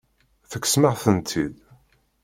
Tekksem-aɣ-tent-id.